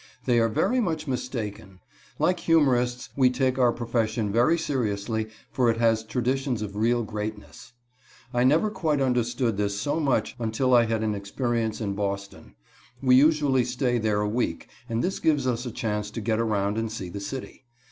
They are very much mistaken. Like humorists, we take our profession very seriously, for it has traditions of real greatness. I never quite understood this so much until I had an experience in Boston. We usually stay there a week, and this gives us a chance to get around and see the city.